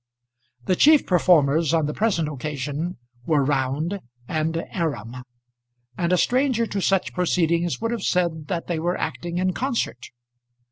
The chief performers on the present occasion were Round and Aram, and a stranger to such proceedings would have said that they were acting in concert.